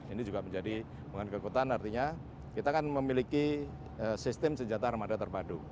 ini juga menjadi bukan kekuatan artinya kita kan memiliki sistem senjata armada terpadu